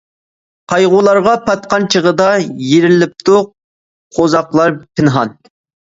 قايغۇلارغا پاتقان چىغىدا، يېرىلىپتۇ قوۋزاقلار پىنھان.